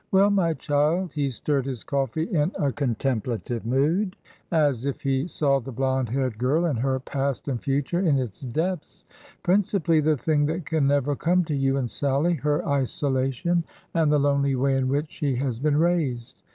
" Well, my child,"— he stirred his coffee in a contem plative mood, as if he saw the blonde haired girl and her past and future in its depths,—" principally the thing that can never come to you and Sallie— her isolation and IN THE SCHOOL HOUSE 49 the lonely way in which she has been raised.